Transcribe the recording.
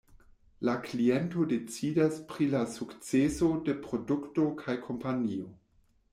La kliento decidas pri la sukceso de produkto kaj kompanio.